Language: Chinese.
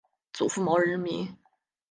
祖父毛仁民。